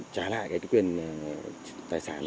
trả lại quyền tài sản